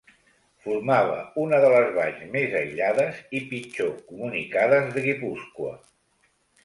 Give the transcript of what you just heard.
Formava una de les valls més aïllades i pitjor comunicades de Guipúscoa.